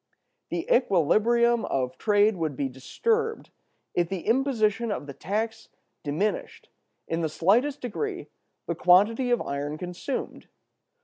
"The equilibrium of trade would be disturbed if the imposition of the tax diminished, in the slightest degree, the quantity of iron consumed.